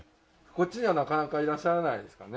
こっちにはなかなかいらっしゃらないですかね。